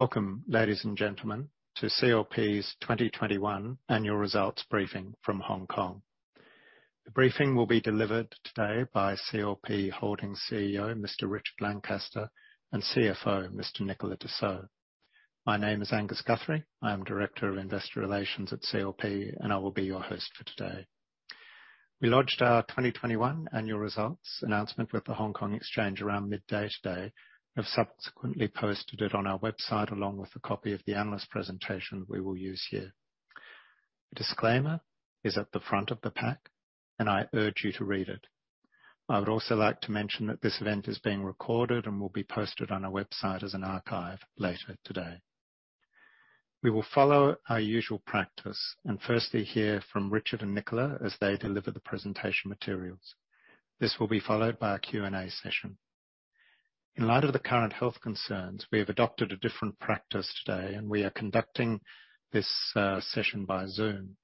Welcome, ladies and gentlemen, to CLP's 2021 annual results briefing from Hong Kong. The briefing will be delivered today by CLP Holdings CEO, Mr. Richard Lancaster, and CFO, Mr. Nicolas Tissot. My name is Angus Guthrie. I am Director of Investor Relations at CLP, and I will be your host for today. We lodged our 2021 annual results announcement with the Hong Kong Exchange around midday today and have subsequently posted it on our website, along with a copy of the analyst presentation we will use here. The disclaimer is at the front of the pack, and I urge you to read it. I would also like to mention that this event is being recorded and will be posted on our website as an archive later today. We will follow our usual practice and firstly hear from Richard and Nicolas as they deliver the presentation materials. This will be followed by a Q&A session. In light of the current health concerns, we have adopted a different practice today, and we are conducting this session by Zoom.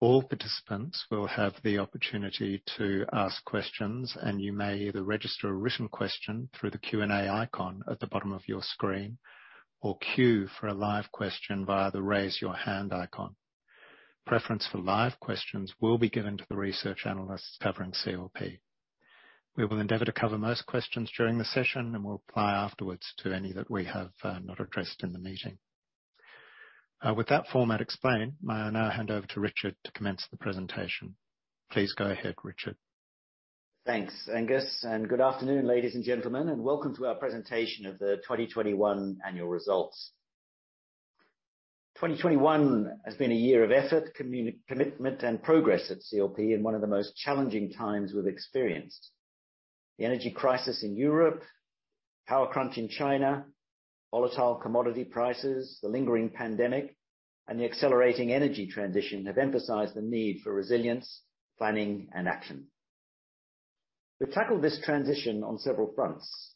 All participants will have the opportunity to ask questions, and you may either register a written question through the Q&A icon at the bottom of your screen or queue for a live question via the Raise Your Hand icon. Preference for live questions will be given to the research analysts covering CLP. We will endeavor to cover most questions during the session and will reply afterwards to any that we have not addressed in the meeting. With that format explained, may I now hand over to Richard to commence the presentation. Please go ahead, Richard. Thanks, Angus, and good afternoon, ladies and gentlemen, and welcome to our presentation of the 2021 annual results. 2021 has been a year of effort, commitment, and progress at CLP in one of the most challenging times we've experienced. The energy crisis in Europe, power crunch in China, volatile commodity prices, the lingering pandemic, and the accelerating energy transition have emphasized the need for resilience, planning, and action. We've tackled this transition on several fronts.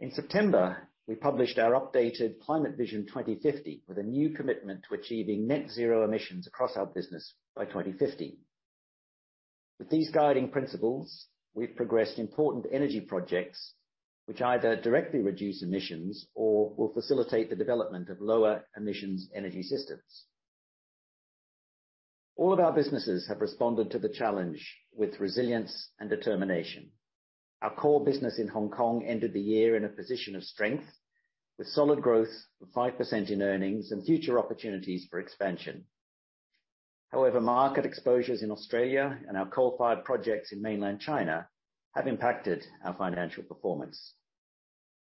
In September, we published our updated Climate Vision 2050 with a new commitment to achieving net zero emissions across our business by 2050. With these guiding principles, we've progressed important energy projects which either directly reduce emissions or will facilitate the development of lower emissions energy systems. All of our businesses have responded to the challenge with resilience and determination. Our core business in Hong Kong ended the year in a position of strength with solid growth of 5% in earnings and future opportunities for expansion. However, market exposures in Australia and our coal-fired projects in Mainland China have impacted our financial performance.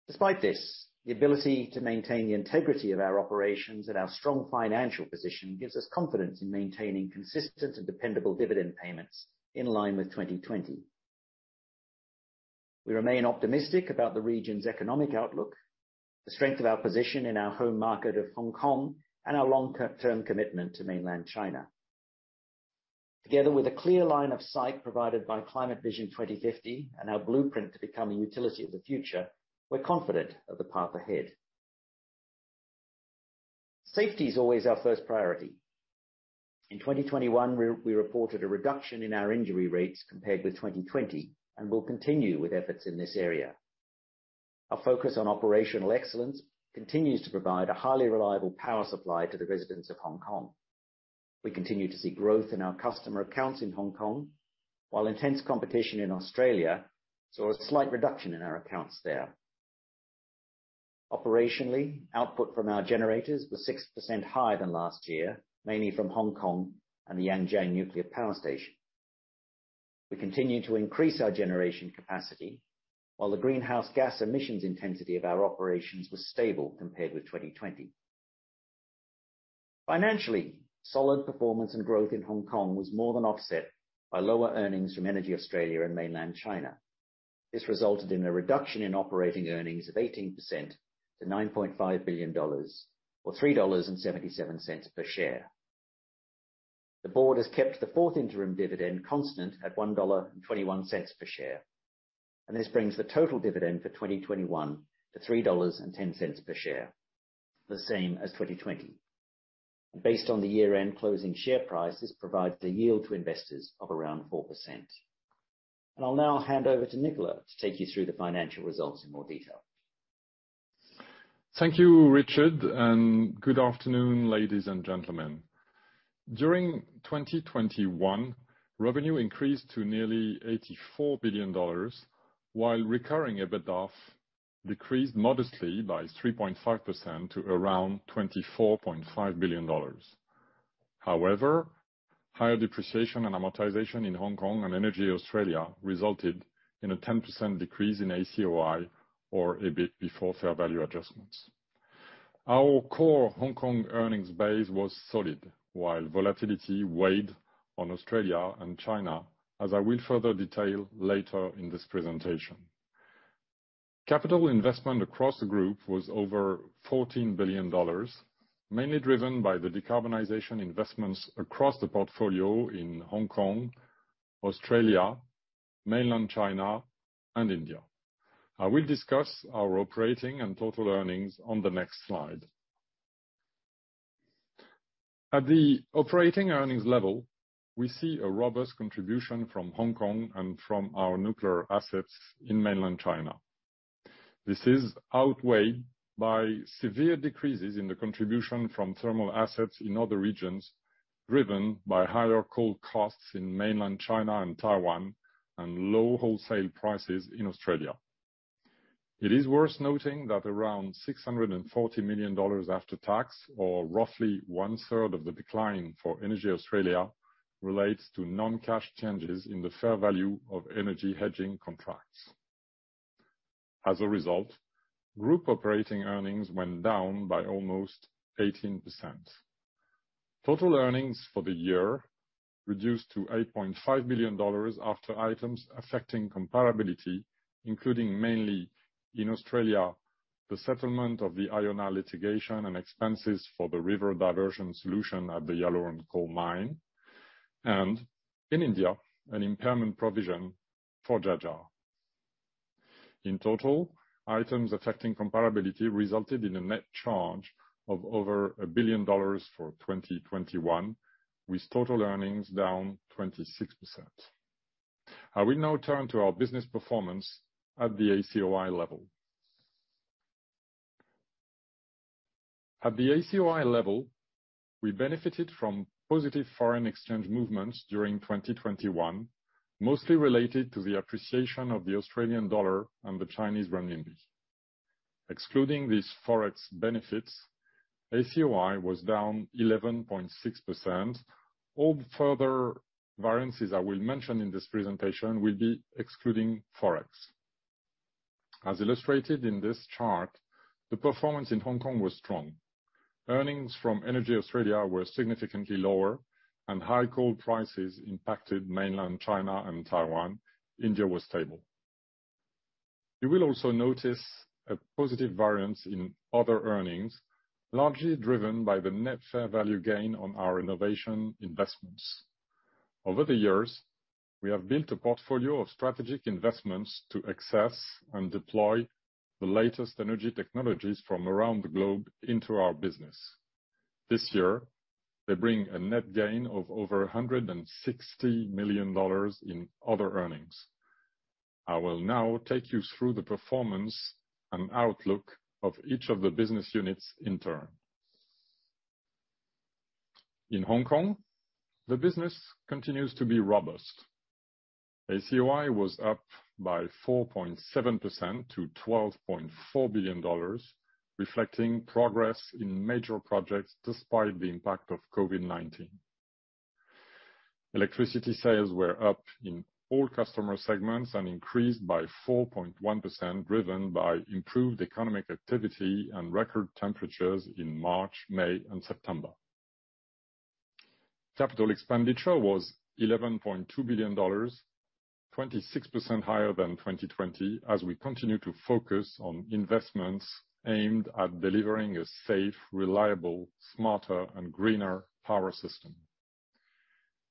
Despite this, the ability to maintain the integrity of our operations and our strong financial position gives us confidence in maintaining consistent and dependable dividend payments in line with 2020. We remain optimistic about the region's economic outlook, the strength of our position in our home market of Hong Kong, and our long-term commitment to Mainland China. Together with a clear line of sight provided by Climate Vision 2050 and our blueprint to become a utility of the future, we're confident of the path ahead. Safety is always our first priority. In 2021, we reported a reduction in our injury rates compared with 2020, and we'll continue with efforts in this area. Our focus on operational excellence continues to provide a highly reliable power supply to the residents of Hong Kong. We continue to see growth in our customer accounts in Hong Kong, while intense competition in Australia saw a slight reduction in our accounts there. Operationally, output from our generators was 6% higher than last year, mainly from Hong Kong and the Yangjiang Nuclear Power Station. We continue to increase our generation capacity, while the greenhouse gas emissions intensity of our operations was stable compared with 2020. Financially, solid performance and growth in Hong Kong was more than offset by lower earnings from EnergyAustralia and Mainland China. This resulted in a reduction in operating earnings of 18% to 9.5 billion dollars, or 3.77 dollars per share. The board has kept the fourth interim dividend constant at 1.21 dollar per share, and this brings the total dividend for 2021 to 3.10 dollars per share, the same as 2020. Based on the year-end closing share price, this provides the yield to investors of around 4%. I'll now hand over to Nicolas to take you through the financial results in more detail. Thank you, Richard, and good afternoon, ladies and gentlemen. During 2021, revenue increased to nearly 84 billion dollars, while recurring EBITDA decreased modestly by 3.5% to around 24.5 billion dollars. However, higher depreciation and amortization in Hong Kong and EnergyAustralia resulted in a 10% decrease in ACOI or EBIT before fair value adjustments. Our core Hong Kong earnings base was solid while volatility weighed on Australia and China, as I will further detail later in this presentation. Capital investment across the group was over 14 billion dollars, mainly driven by the decarbonization investments across the portfolio in Hong Kong, Australia, Mainland China, and India. I will discuss our operating and total earnings on the next slide. At the operating earnings level, we see a robust contribution from Hong Kong and from our nuclear assets in Mainland China. This is outweighed by severe decreases in the contribution from thermal assets in other regions, driven by higher coal costs in Mainland China and Taiwan and low wholesale prices in Australia. It is worth noting that around 640 million dollars after tax, or roughly 1/3 of the decline for EnergyAustralia, relates to non-cash changes in the fair value of energy hedging contracts. As a result, group operating earnings went down by almost 18%. Total earnings for the year reduced to 8.5 billion dollars after items affecting comparability, including mainly in Australia, the settlement of the Iona litigation and expenses for the river diversion solution at the Yallourn coal mine, and in India, an impairment provision for Jhajjar. In total, items affecting comparability resulted in a net charge of over 1 billion dollars for 2021, with total earnings down 26%. I will now turn to our business performance at the ACOI level. At the ACOI level, we benefited from positive foreign exchange movements during 2021, mostly related to the appreciation of the Australian dollar and the Chinese renminbi. Excluding these forex benefits, ACOI was down 11.6%. All further variances I will mention in this presentation will be excluding forex. As illustrated in this chart, the performance in Hong Kong was strong. Earnings from EnergyAustralia were significantly lower, and high coal prices impacted Mainland China and Taiwan. India was stable. You will also notice a positive variance in other earnings, largely driven by the net fair value gain on our innovation investments. Over the years, we have built a portfolio of strategic investments to access and deploy the latest energy technologies from around the globe into our business. This year, they bring a net gain of over 160 million dollars in other earnings. I will now take you through the performance and outlook of each of the business units in turn. In Hong Kong, the business continues to be robust. ACOI was up by 4.7% to 12.4 billion dollars, reflecting progress in major projects despite the impact of COVID-19. Electricity sales were up in all customer segments and increased by 4.1%, driven by improved economic activity and record temperatures in March, May and September. Capital expenditure was 11.2 billion dollars, 26% higher than 2020, as we continue to focus on investments aimed at delivering a safe, reliable, smarter and greener power system.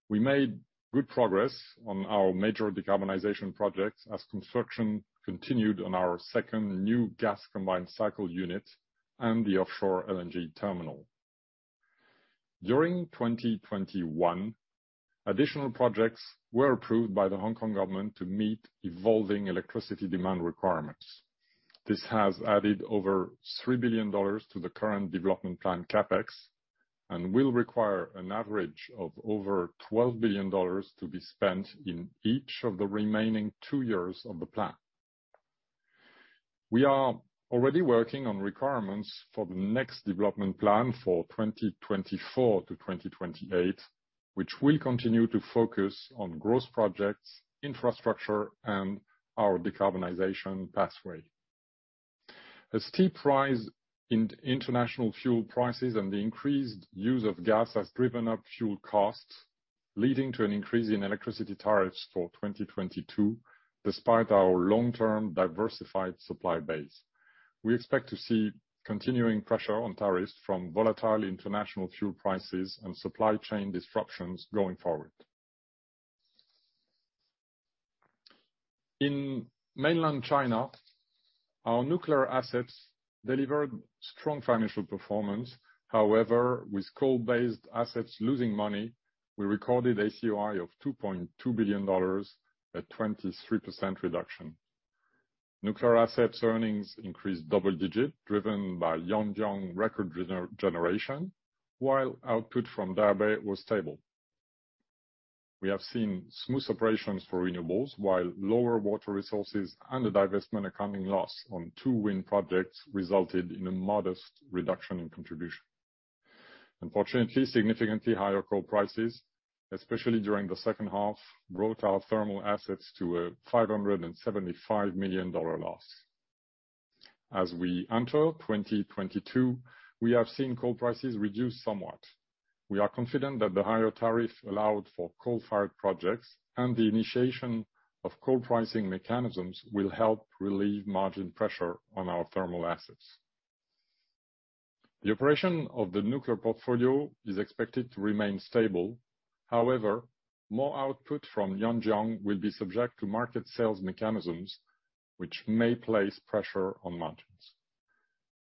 We made good progress on our major decarbonization projects as construction continued on our second new gas combined cycle unit and the offshore LNG terminal. During 2021, additional projects were approved by the Hong Kong government to meet evolving electricity demand requirements. This has added over 3 billion dollars to the current development plan CapEx and will require an average of over 12 billion dollars to be spent in each of the remaining two years of the plan. We are already working on requirements for the next development plan for 2024-2028, which will continue to focus on growth projects, infrastructure, and our decarbonization pathway. A steep rise in international fuel prices and the increased use of gas has driven up fuel costs, leading to an increase in electricity tariffs for 2022, despite our long-term diversified supply base. We expect to see continuing pressure on tariffs from volatile international fuel prices and supply chain disruptions going forward. In Mainland China, our nuclear assets delivered strong financial performance. However, with coal-based assets losing money, we recorded ACOI of 2.2 billion dollars at 23% reduction. Nuclear assets earnings increased double digits driven by Yangjiang record generation, while output from Daya Bay was stable. We have seen smooth operations for renewables, while lower water resources and a divestment accounting loss on two wind projects resulted in a modest reduction in contribution. Unfortunately, significantly higher coal prices, especially during the second half, brought our thermal assets to a 575 million dollar loss. As we enter 2022, we have seen coal prices reduce somewhat. We are confident that the higher tariff allowed for coal-fired projects and the initiation of coal pricing mechanisms will help relieve margin pressure on our thermal assets. The operation of the nuclear portfolio is expected to remain stable. However, more output from Yangjiang will be subject to market sales mechanisms, which may place pressure on margins.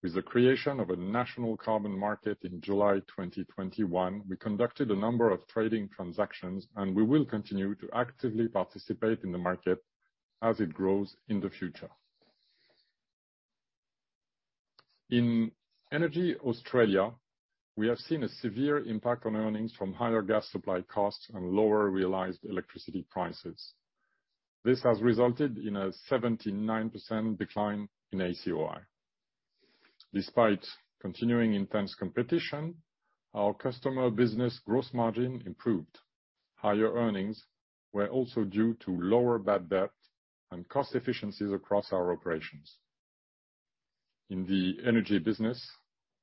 With the creation of a national carbon market in July 2021, we conducted a number of trading transactions, and we will continue to actively participate in the market as it grows in the future. In EnergyAustralia, we have seen a severe impact on earnings from higher gas supply costs and lower realized electricity prices. This has resulted in a 79% decline in ACOI. Despite continuing intense competition, our customer business gross margin improved. Higher earnings were also due to lower bad debt and cost efficiencies across our operations. In the energy business,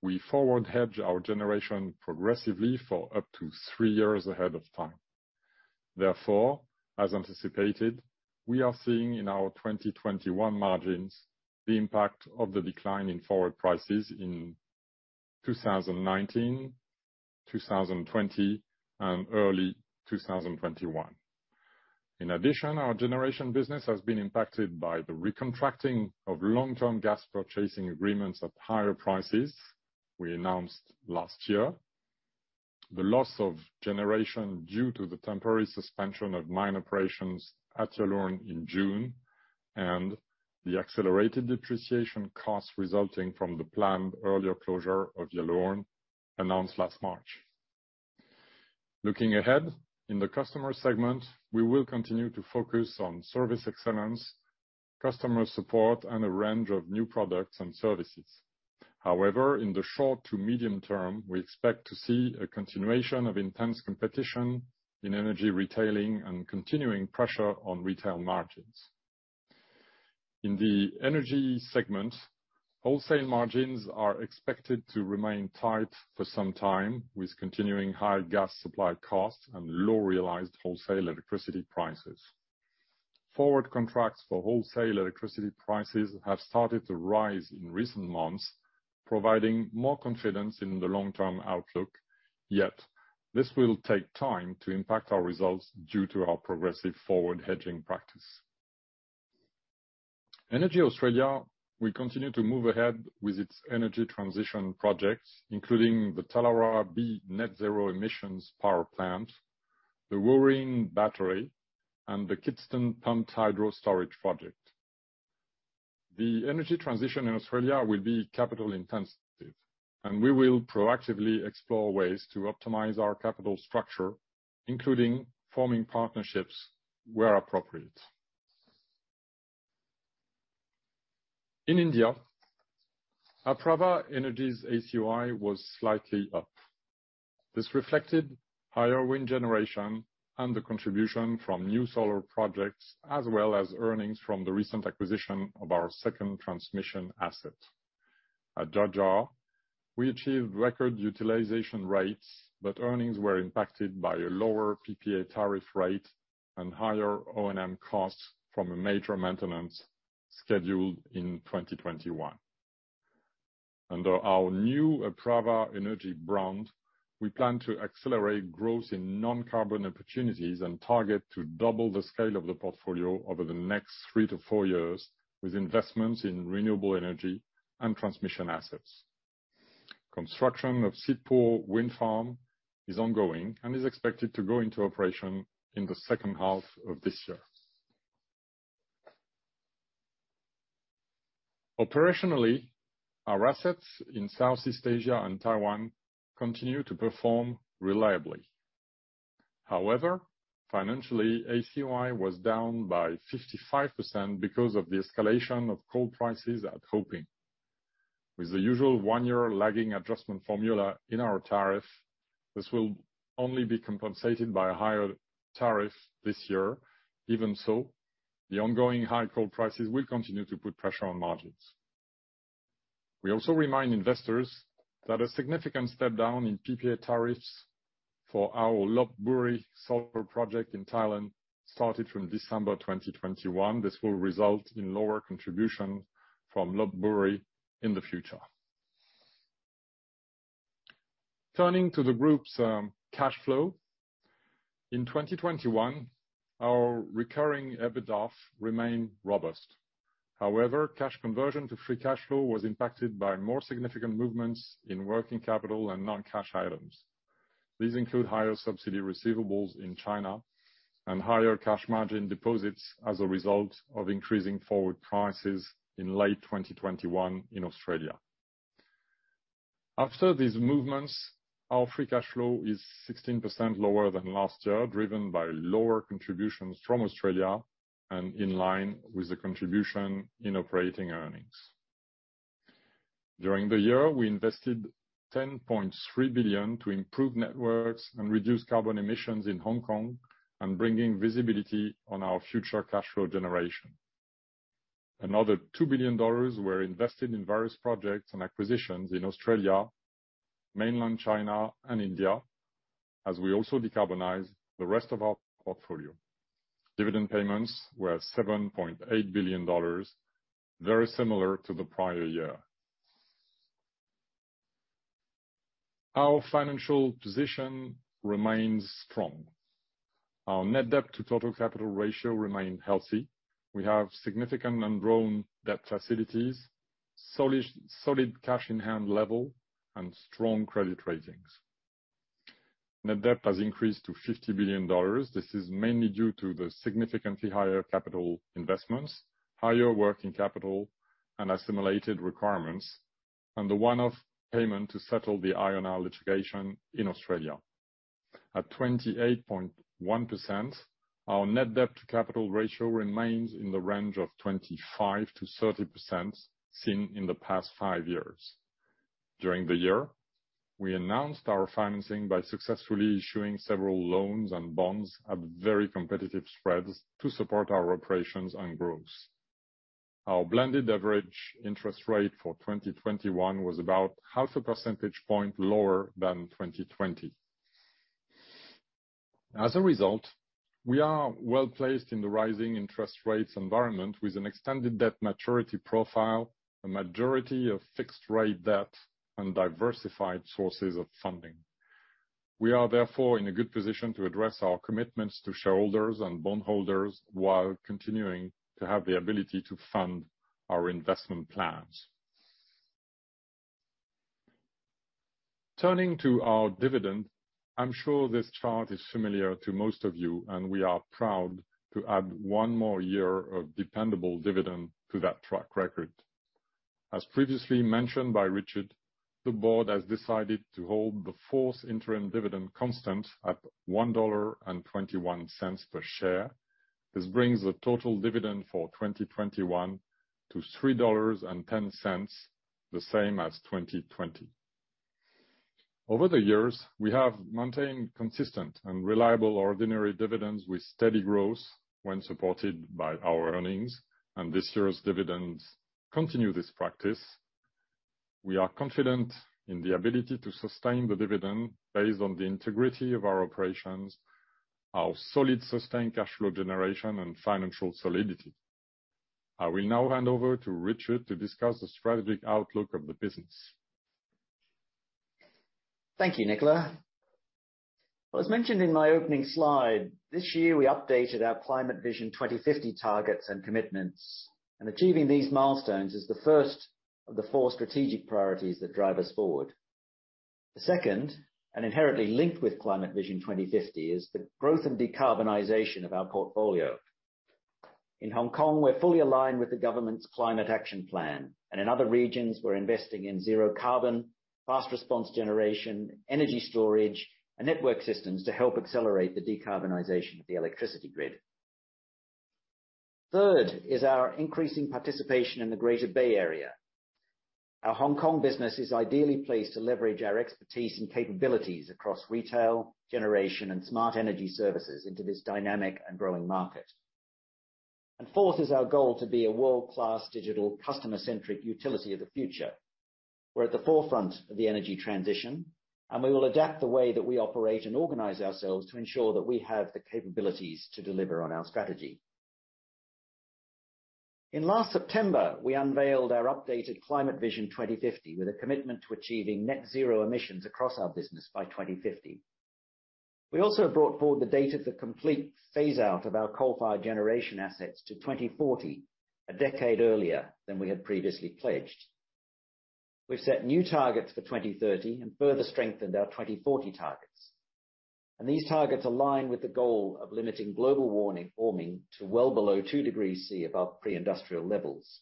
we forward hedge our generation progressively for up to three years ahead of time. Therefore, as anticipated, we are seeing in our 2021 margins the impact of the decline in forward prices in 2019, 2020, and early 2021. In addition, our generation business has been impacted by the recontracting of long-term gas purchasing agreements at higher prices we announced last year, the loss of generation due to the temporary suspension of mine operations at Yallourn in June and the accelerated depreciation costs resulting from the planned earlier closure of Yallourn announced last March. Looking ahead, in the customer segment, we will continue to focus on service excellence, customer support, and a range of new products and services. However, in the short to medium term, we expect to see a continuation of intense competition in energy retailing and continuing pressure on retail margins. In the energy segment, wholesale margins are expected to remain tight for some time, with continuing high gas supply costs and low realized wholesale electricity prices. Forward contracts for wholesale electricity prices have started to rise in recent months, providing more confidence in the long-term outlook. Yet this will take time to impact our results due to our progressive forward hedging practice. EnergyAustralia will continue to move ahead with its energy transition projects, including the Tallawarra B net zero emissions power plant, the Wooreen battery, and the Kidston Pumped Storage Hydro Project. The energy transition in Australia will be capital intensive, and we will proactively explore ways to optimize our capital structure, including forming partnerships where appropriate. In India, Apraava Energy's ACOI was slightly up. This reflected higher wind generation and the contribution from new solar projects, as well as earnings from the recent acquisition of our second transmission asset. At Jhajjar, we achieved record utilization rates, but earnings were impacted by a lower PPA tariff rate and higher O&M costs from a major maintenance scheduled in 2021. Under our new Apraava Energy brand, we plan to accelerate growth in non-carbon opportunities and target to double the scale of the portfolio over the next three to four years with investments in renewable energy and transmission assets. Construction of Sidhpur Wind Farm is ongoing and is expected to go into operation in the second half of this year. Operationally, our assets in Southeast Asia and Taiwan continue to perform reliably. However, financially, ACOI was down by 55% because of the escalation of coal prices at Ho-Ping. With the usual one-year lagging adjustment formula in our tariff, this will only be compensated by a higher tariff this year. Even so, the ongoing high coal prices will continue to put pressure on margins. We also remind investors that a significant step down in PPA tariffs for our Lopburi Solar Project in Thailand started from December 2021. This will result in lower contribution from Lopburi in the future. Turning to the group's cash flow. In 2021, our recurring EBITDAF remained robust. However, cash conversion to free cash flow was impacted by more significant movements in working capital and non-cash items. These include higher subsidy receivables in China and higher cash margin deposits as a result of increasing forward prices in late 2021 in Australia. After these movements, our free cash flow is 16% lower than last year, driven by lower contributions from Australia and in line with the contribution in operating earnings. During the year, we invested 10.3 billion to improve networks and reduce carbon emissions in Hong Kong and bringing visibility on our future cash flow generation. Another 2 billion dollars were invested in various projects and acquisitions in Australia, Mainland China, and India, as we also decarbonize the rest of our portfolio. Dividend payments were 7.8 billion dollars, very similar to the prior year. Our financial position remains strong. Our net debt to total capital ratio remain healthy. We have significant undrawn debt facilities, solid cash in hand level, and strong credit ratings. Net debt has increased to 50 billion dollars. This is mainly due to the significantly higher capital investments, higher working capital and associated requirements, and the one-off payment to settle the Iona litigation in Australia. At 28.1%, our net debt to capital ratio remains in the range of 25%-30% seen in the past five years. During the year, we announced our financing by successfully issuing several loans and bonds at very competitive spreads to support our operations and growth. Our blended average interest rate for 2021 was about half a percentage point lower than 2020. As a result, we are well-placed in the rising interest rates environment with an extended debt maturity profile, a majority of fixed rate debt and diversified sources of funding. We are therefore in a good position to address our commitments to shareholders and bondholders while continuing to have the ability to fund our investment plans. Turning to our dividend, I'm sure this chart is familiar to most of you, and we are proud to add one more year of dependable dividend to that track record. As previously mentioned by Richard, the board has decided to hold the fourth interim dividend constant at 1.21 dollar per share. This brings the total dividend for 2021 to 3.10 dollars, the same as 2020. Over the years, we have maintained consistent and reliable ordinary dividends with steady growth when supported by our earnings, and this year's dividends continue this practice. We are confident in the ability to sustain the dividend based on the integrity of our operations, our solid sustained cash flow generation and financial solidity. I will now hand over to Richard to discuss the strategic outlook of the business. Thank you, Nicolas. As mentioned in my opening slide, this year we updated our Climate Vision 2050 targets and commitments, and achieving these milestones is the first of the four strategic priorities that drive us forward. The second, and inherently linked with Climate Vision 2050, is the growth and decarbonization of our portfolio. In Hong Kong, we're fully aligned with the government's climate action plan, and in other regions, we're investing in zero carbon, fast response generation, energy storage and network systems to help accelerate the decarbonization of the electricity grid. Third is our increasing participation in the Greater Bay Area. Our Hong Kong business is ideally placed to leverage our expertise and capabilities across retail, generation and smart energy services into this dynamic and growing market. Fourth is our goal to be a world-class digital customer-centric utility of the future. We're at the forefront of the energy transition, and we will adapt the way that we operate and organize ourselves to ensure that we have the capabilities to deliver on our strategy. In last September, we unveiled our updated Climate Vision 2050 with a commitment to achieving net zero emissions across our business by 2050. We also brought forward the date of the complete phase out of our coal-fired generation assets to 2040, a decade earlier than we had previously pledged. We've set new targets for 2030 and further strengthened our 2040 targets, and these targets align with the goal of limiting global warming to well below 2 degrees Celsius above pre-industrial levels.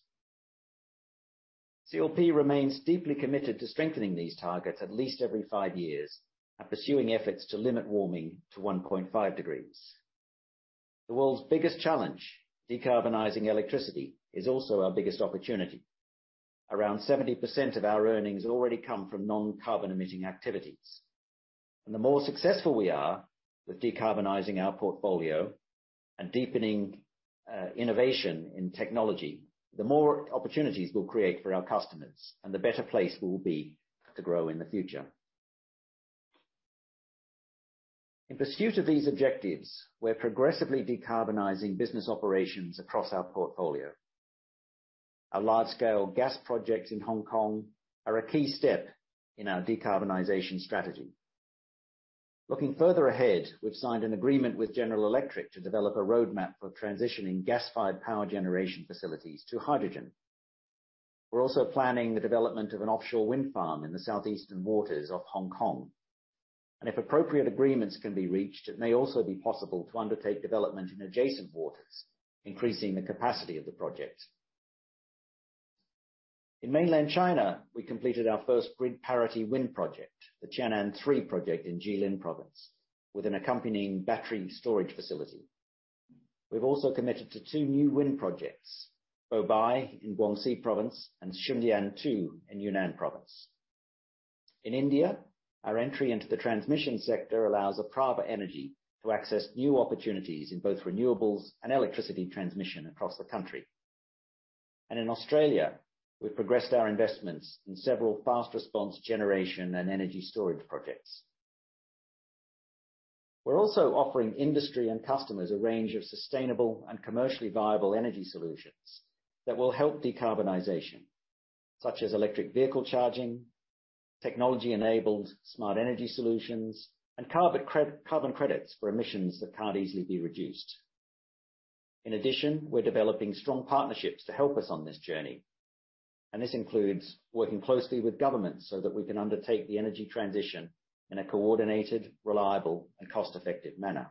CLP remains deeply committed to strengthening these targets at least every five years and pursuing efforts to limit warming to 1.5 degrees Celsius. The world's biggest challenge, decarbonizing electricity, is also our biggest opportunity. Around 70% of our earnings already come from non-carbon emitting activities. The more successful we are with decarbonizing our portfolio and deepening innovation in technology, the more opportunities we'll create for our customers and the better place we will be to grow in the future. In pursuit of these objectives, we're progressively decarbonizing business operations across our portfolio. Our large scale gas projects in Hong Kong are a key step in our decarbonization strategy. Looking further ahead, we've signed an agreement with General Electric to develop a roadmap for transitioning gas-fired power generation facilities to hydrogen. We're also planning the development of an offshore wind farm in the southeastern waters of Hong Kong. If appropriate agreements can be reached, it may also be possible to undertake development in adjacent waters, increasing the capacity of the project. In Mainland China, we completed our first grid parity wind project, the Qian'an III Project in Jilin Province, with an accompanying battery storage facility. We've also committed to two new wind projects, Bobai in Guangxi Province and Xundian II in Yunnan Province. In India, our entry into the transmission sector allows Apraava Energy to access new opportunities in both renewables and electricity transmission across the country. In Australia, we've progressed our investments in several fast response generation and energy storage projects. We're also offering industry and customers a range of sustainable and commercially viable energy solutions that will help decarbonization, such as electric vehicle charging, technology-enabled smart energy solutions, and carbon credits for emissions that can't easily be reduced. In addition, we're developing strong partnerships to help us on this journey, and this includes working closely with governments so that we can undertake the energy transition in a coordinated, reliable, and cost-effective manner.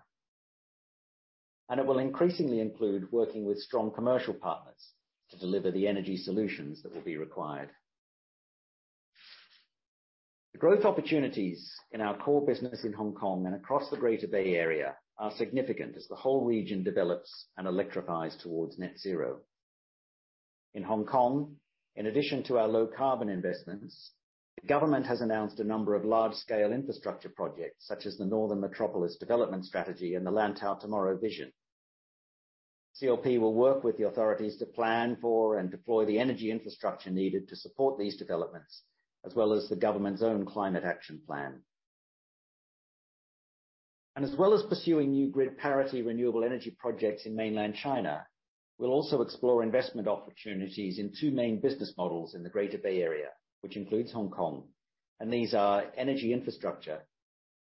It will increasingly include working with strong commercial partners to deliver the energy solutions that will be required. The growth opportunities in our core business in Hong Kong and across the Greater Bay Area are significant as the whole region develops and electrifies towards net zero. In Hong Kong, in addition to our low carbon investments, the government has announced a number of large-scale infrastructure projects, such as the Northern Metropolis Development Strategy and the Lantau Tomorrow Vision. CLP will work with the authorities to plan for and deploy the energy infrastructure needed to support these developments, as well as the government's own climate action plan. As well as pursuing new grid parity renewable energy projects in Mainland China, we'll also explore investment opportunities in two main business models in the Greater Bay Area, which includes Hong Kong. These are energy infrastructure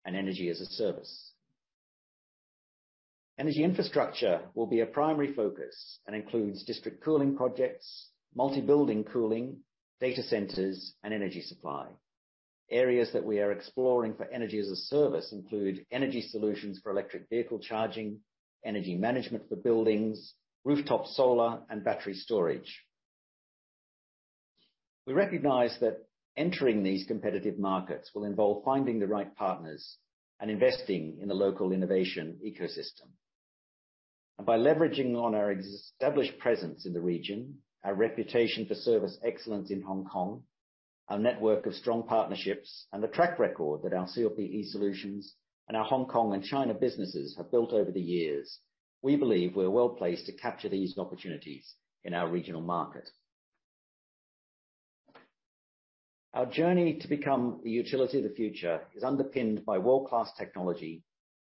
and energy as a service. Energy infrastructure will be a primary focus and includes district cooling projects, multi-building cooling, data centers, and energy supply. Areas that we are exploring for energy as a service include energy solutions for electric vehicle charging, energy management for buildings, rooftop solar, and battery storage. We recognize that entering these competitive markets will involve finding the right partners and investing in the local innovation ecosystem. By leveraging on our established presence in the region, our reputation for service excellence in Hong Kong, our network of strong partnerships, and the track record that our CLPe Solutions and our Hong Kong and China businesses have built over the years, we believe we're well-placed to capture these opportunities in our regional market. Our journey to become the utility of the future is underpinned by world-class technology,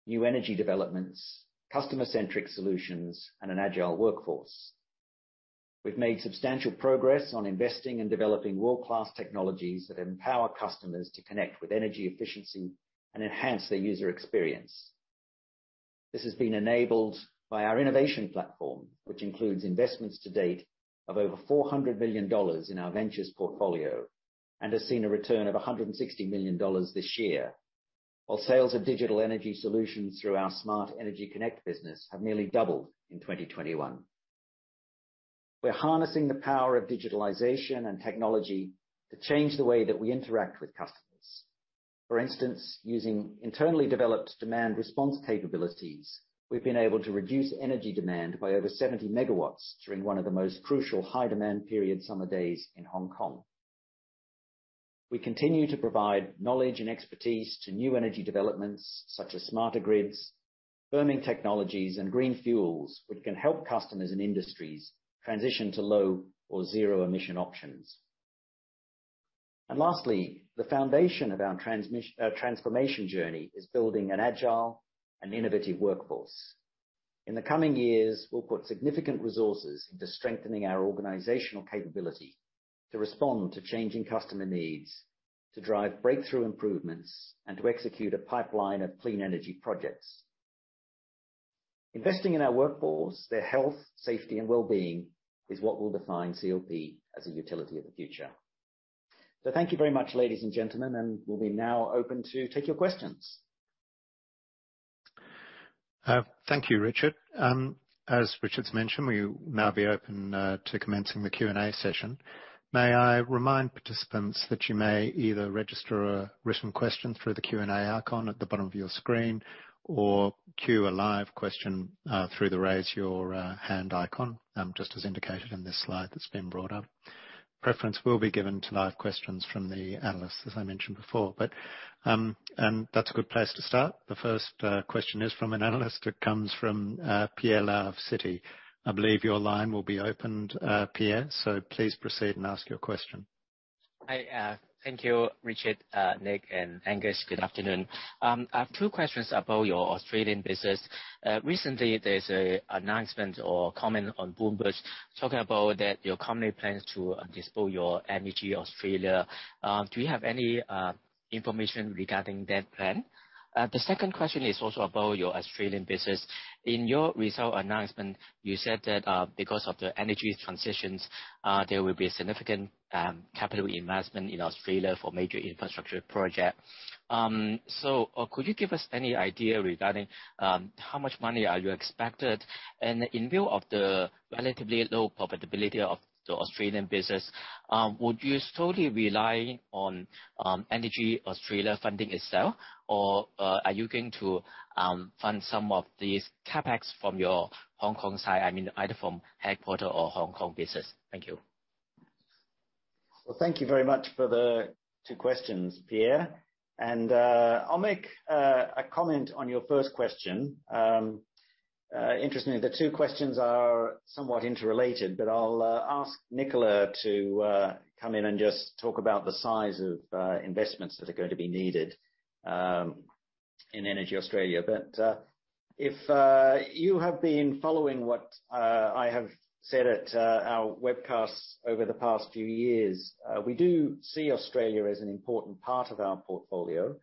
new energy developments, customer-centric solutions, and an agile workforce. We've made substantial progress on investing in developing world-class technologies that empower customers to connect with energy efficiency and enhance their user experience. This has been enabled by our innovation platform, which includes investments to date of over 400 million dollars in our ventures portfolio and has seen a return of 160 million dollars this year. While sales of digital energy solutions through our Smart Energy Connect business have nearly doubled in 2021. We're harnessing the power of digitalization and technology to change the way that we interact with customers. For instance, using internally developed demand response capabilities, we've been able to reduce energy demand by over 70 MW during one of the most crucial high-demand period summer days in Hong Kong. We continue to provide knowledge and expertise to new energy developments such as smarter grids, firming technologies, and green fuels, which can help customers and industries transition to low or zero emission options. Lastly, the foundation of our transformation journey is building an agile and innovative workforce. In the coming years, we'll put significant resources into strengthening our organizational capability to respond to changing customer needs, to drive breakthrough improvements, and to execute a pipeline of clean energy projects. Investing in our workforce, their health, safety, and well-being is what will define CLP as a utility of the future. Thank you very much, ladies and gentlemen, and we'll be now open to take your questions. Thank you, Richard. As Richard's mentioned, we will now be open to commencing the Q&A session. May I remind participants that you may either register a written question through the Q&A icon at the bottom of your screen or queue a live question through the Raise Your Hand icon just as indicated in this slide that's been brought up. Preference will be given to live questions from the analysts, as I mentioned before. That's a good place to start. The first question is from an analyst. It comes from Pierre Lau of Citi. I believe your line will be opened, Pierre, so please proceed and ask your question. Hi. Thank you, Richard, Nick and Angus. Good afternoon. I have two questions about your Australian business. Recently, there's an announcement or comment on Bloomberg talking about that your company plans to dispose of your EnergyAustralia. Do you have any information regarding that plan? The second question is also about your Australian business. In your result announcement, you said that, because of the energy transitions, there will be a significant capital investment in Australia for major infrastructure project. Could you give us any idea regarding how much money are you expected? And in view of the relatively low profitability of the Australian business, would you solely rely on EnergyAustralia funding itself? Are you going to fund some of these CapEx from your Hong Kong side, I mean, either from headquarters or Hong Kong business? Thank you. Well, thank you very much for the two questions, Pierre. I'll make a comment on your first question. Interestingly, the two questions are somewhat interrelated, but I'll ask Nicolas to come in and just talk about the size of investments that are gonna be needed in EnergyAustralia. If you have been following what I have said at our webcasts over the past few years, we do see Australia as an important part of our portfolio.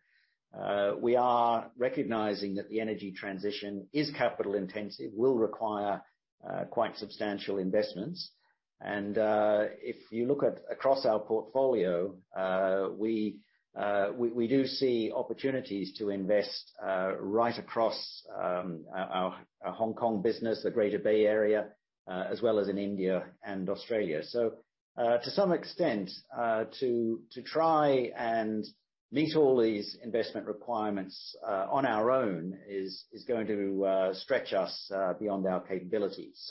We are recognizing that the energy transition is capital intensive, will require quite substantial investments. If you look at across our portfolio, we do see opportunities to invest right across our Hong Kong business, the Greater Bay Area, as well as in India and Australia. To some extent, to try and meet all these investment requirements on our own is going to stretch us beyond our capabilities.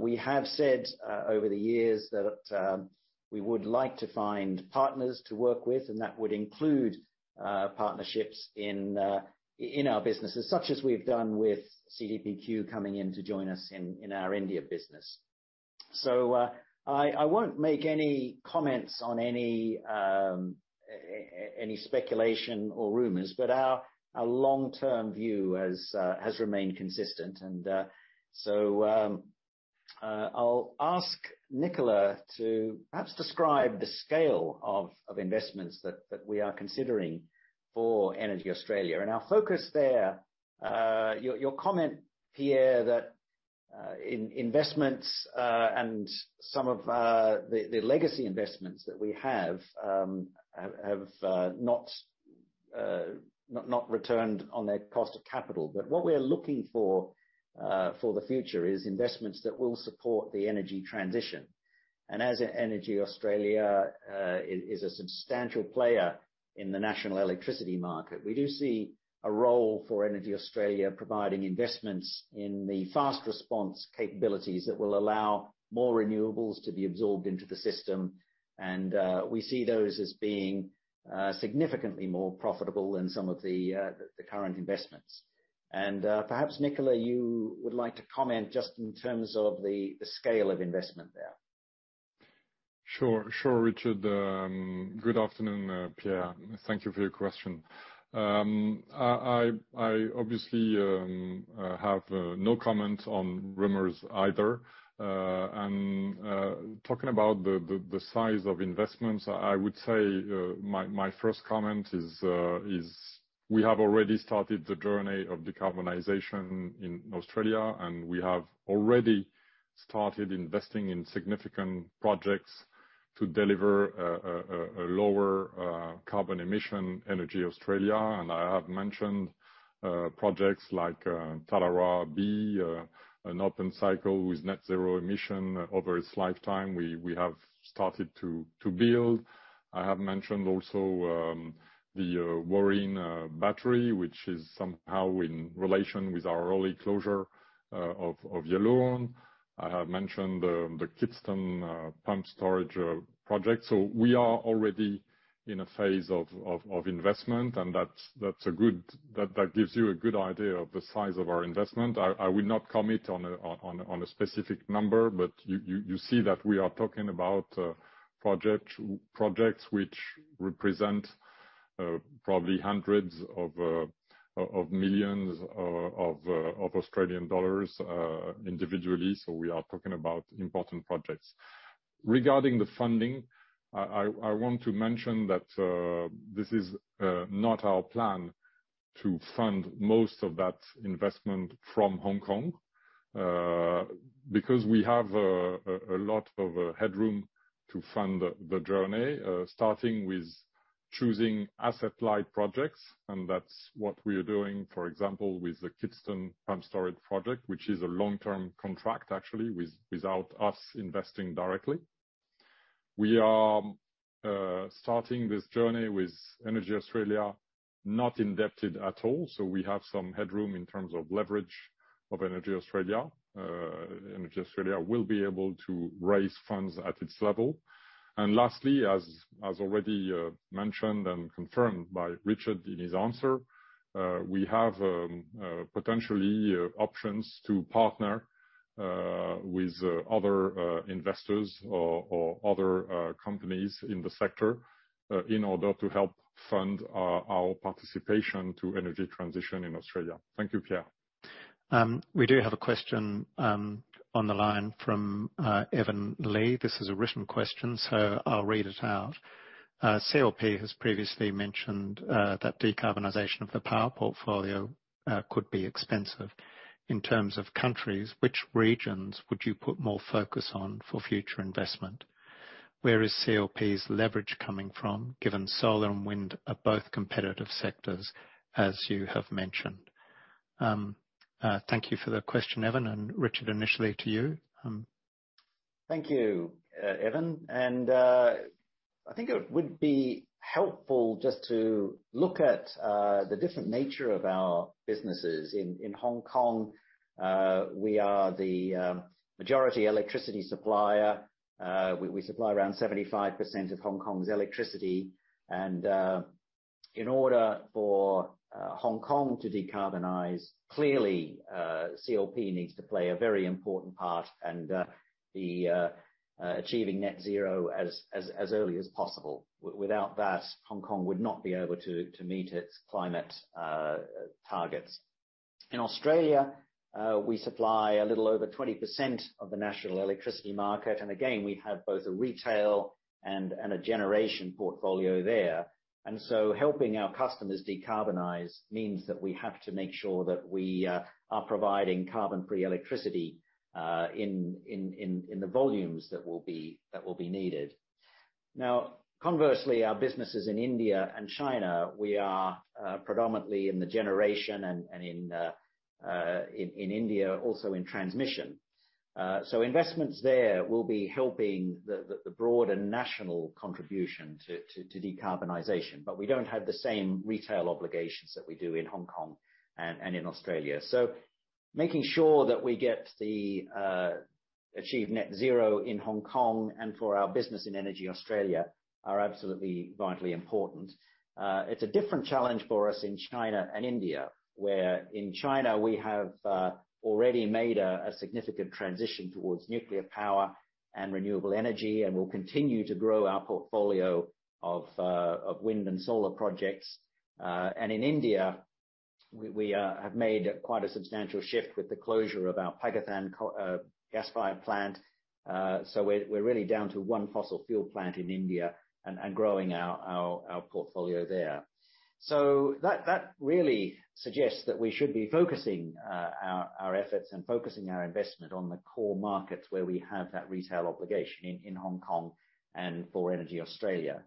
We have said over the years that we would like to find partners to work with, and that would include partnerships in our businesses, such as we've done with CDPQ coming in to join us in our India business. I won't make any comments on any speculation or rumors, but our long-term view has remained consistent. I'll ask Nicolas to perhaps describe the scale of investments that we are considering for EnergyAustralia. Our focus there, your comment, Pierre, that in investments and some of the legacy investments that we have have not returned on their cost of capital. What we are looking for for the future is investments that will support the energy transition. As EnergyAustralia is a substantial player in the national electricity market, we do see a role for EnergyAustralia providing investments in the fast response capabilities that will allow more renewables to be absorbed into the system. We see those as being significantly more profitable than some of the current investments. Perhaps, Nicolas, you would like to comment just in terms of the scale of investment there. Sure, Richard. Good afternoon, Pierre. Thank you for your question. I obviously have no comment on rumors either. Talking about the size of investments, I would say my first comment is we have already started the journey of decarbonization in Australia, and we have already started investing in significant projects to deliver a lower carbon emission EnergyAustralia. I have mentioned projects like Tallawarra B, an open cycle with net zero emission over its lifetime, we have started to build. I have mentioned also the Wooreen Battery, which is somehow in relation with our early closure of Yallourn. I have mentioned the Kidston Pumped Storage project. We are already in a phase of investment that gives you a good idea of the size of our investment. I will not commit on a specific number, but you see that we are talking about projects which represent probably hundreds of millions of Australian dollars individually. We are talking about important projects. Regarding the funding, I want to mention that this is not our plan to fund most of that investment from Hong Kong because we have a lot of headroom to fund the journey starting with choosing asset-light projects, and that's what we are doing, for example, with the Kidston Pumped Storage Hydro project, which is a long-term contract, actually, without us investing directly. We are starting this journey with EnergyAustralia not indebted at all, so we have some headroom in terms of leverage of EnergyAustralia. EnergyAustralia will be able to raise funds at its level. Lastly, as already mentioned and confirmed by Richard in his answer, we have potentially options to partner with other investors or other companies in the sector in order to help fund our participation to energy transition in Australia. Thank you, Pierre. We do have a question on the line from Evan Li. This is a written question, so I'll read it out. CLP has previously mentioned that decarbonization of the power portfolio could be expensive. In terms of countries, which regions would you put more focus on for future investment? Where is CLP's leverage coming from, given solar and wind are both competitive sectors, as you have mentioned? Thank you for the question, Evan, and Richard, initially to you. Thank you, Evan. I think it would be helpful just to look at the different nature of our businesses. In Hong Kong, we are the majority electricity supplier. We supply around 75% of Hong Kong's electricity. In order for Hong Kong to decarbonize, clearly, CLP needs to play a very important part and the achieving net zero as early as possible. Without that, Hong Kong would not be able to meet its climate targets. In Australia, we supply a little over 20% of the national electricity market, and again, we have both a retail and a generation portfolio there. Helping our customers decarbonize means that we have to make sure that we are providing carbon-free electricity in the volumes that will be needed. Now, conversely, our businesses in India and China, we are predominantly in the generation and in India, also in transmission. Investments there will be helping the broad and national contribution to decarbonization. We don't have the same retail obligations that we do in Hong Kong and in Australia. Making sure that we achieve net zero in Hong Kong and for our business in EnergyAustralia are absolutely vitally important. It's a different challenge for us in China and India, where in China we have already made a significant transition towards nuclear power and renewable energy and will continue to grow our portfolio of wind and solar projects. In India, we have made quite a substantial shift with the closure of our Paguthan gas-fired plant. We're really down to one fossil fuel plant in India and growing our portfolio there. That really suggests that we should be focusing our efforts and focusing our investment on the core markets where we have that retail obligation in Hong Kong and for EnergyAustralia.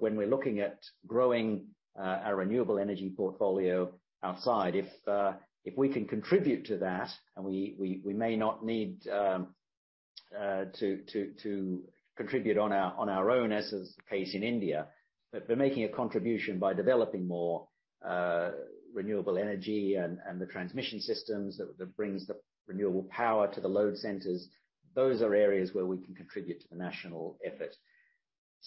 When we're looking at growing our renewable energy portfolio outside, if we can contribute to that and we may not need to contribute on our own as is the case in India. We're making a contribution by developing more renewable energy and the transmission systems that brings the renewable power to the load centers. Those are areas where we can contribute to the national effort.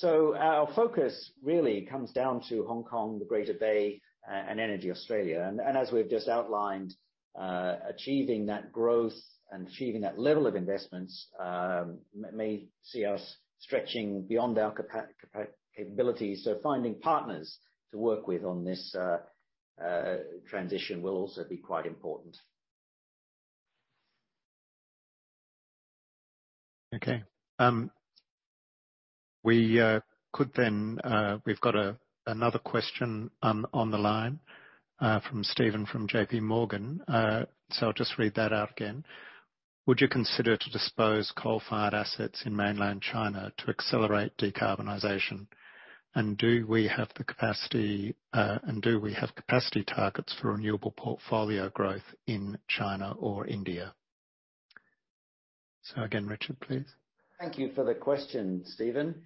Our focus really comes down to Hong Kong, the Greater Bay and EnergyAustralia. As we've just outlined, achieving that growth and achieving that level of investments may see us stretching beyond our capabilities. Finding partners to work with on this transition will also be quite important. Okay. We've got another question on the line from Stephen, from JPMorgan. I'll just read that out again. Would you consider to dispose coal-fired assets in Mainland China to accelerate decarbonization? And do we have the capacity and capacity targets for renewable portfolio growth in China or India? Again, Richard, please. Thank you for the question, Stephen.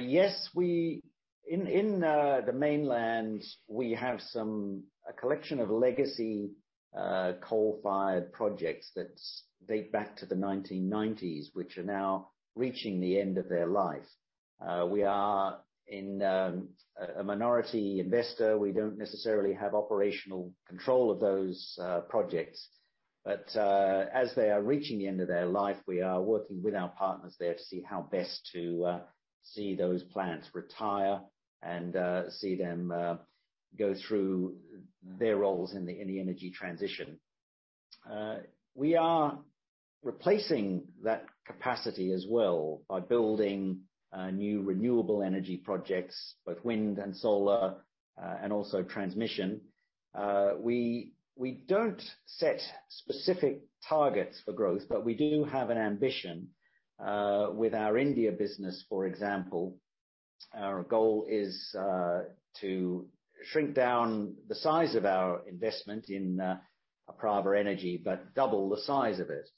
Yes, in the mainland, we have a collection of legacy coal-fired projects that date back to the 1990s, which are now reaching the end of their life. We are a minority investor. We don't necessarily have operational control of those projects. As they are reaching the end of their life, we are working with our partners there to see how best to see those plants retire and see them go through their roles in the energy transition. We are replacing that capacity as well by building new renewable energy projects, both wind and solar, and also transmission. We don't set specific targets for growth, but we do have an ambition with our India business, for example. Our goal is to shrink down the size of our investment in Apraava Energy, but double the size of it.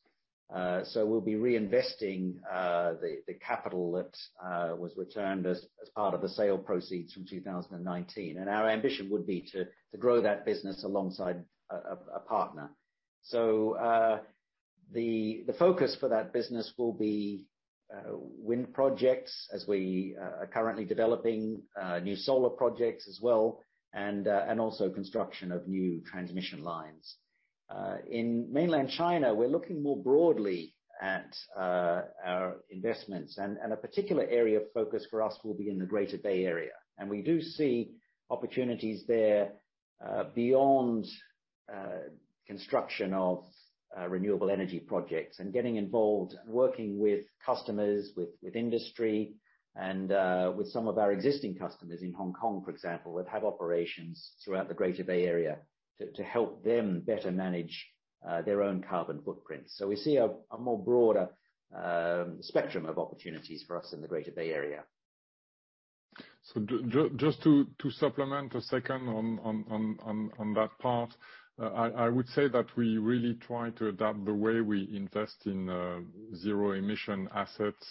We'll be reinvesting the capital that was returned as part of the sale proceeds from 2019. Our ambition would be to grow that business alongside a partner. The focus for that business will be wind projects as we are currently developing new solar projects as well, and also construction of new transmission lines. In Mainland China, we're looking more broadly at our investments. A particular area of focus for us will be in the Greater Bay Area. We do see opportunities there, beyond construction of renewable energy projects and getting involved and working with customers, with industry and with some of our existing customers in Hong Kong, for example, that have operations throughout the Greater Bay Area, to help them better manage their own carbon footprint. We see a more broader spectrum of opportunities for us in the Greater Bay Area. Just to supplement a second on that part, I would say that we really try to adapt the way we invest in zero emission assets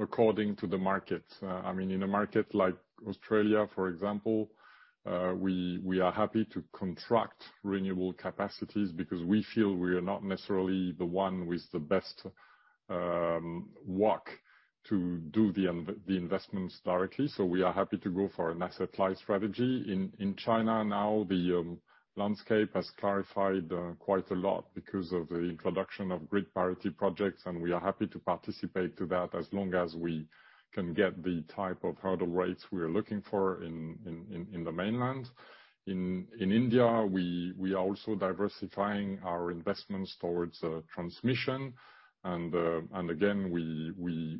according to the market. I mean, in a market like Australia, for example, we are happy to contract renewable capacities because we feel we are not necessarily the one with the best work to do the investments directly. We are happy to go for an asset-light strategy. In China now, the landscape has clarified quite a lot because of the introduction of grid parity projects, and we are happy to participate to that as long as we can get the type of hurdle rates we are looking for in the Mainland. In India, we are also diversifying our investments towards transmission. Again,